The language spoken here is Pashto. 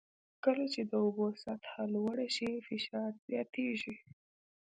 کله چې د اوبو سطحه لوړه شي فشار زیاتېږي.